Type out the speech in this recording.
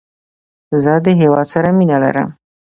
زه د هیواد سره مینه لرم.